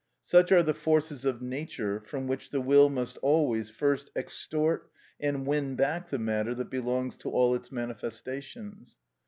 Such are the forces of nature, from which the will must always first extort and win back the matter that belongs to all its manifestations.